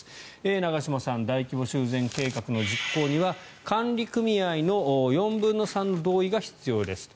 長嶋さん大規模修繕計画の実行には管理組合の４分の３の同意が必要ですと。